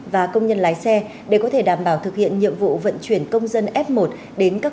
và công nhân lái xe để có thể đảm bảo thực hiện nhiệm vụ vận chuyển công dân f một đến các